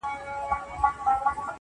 د رندانو له مستۍ به مځکه رېږدي-